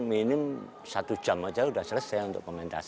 mungkin satu jam saja sudah selesai untuk pementasan